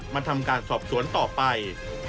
มาทำการสอบสวนต่อไป